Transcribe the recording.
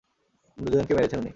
দুজনকে মেরেছেন উনি।